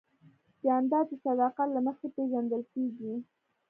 جانداد د صداقت له مخې پېژندل کېږي.